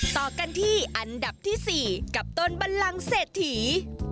ต่อกันที่อันดับที่๔กับต้นบันลังเศรษฐี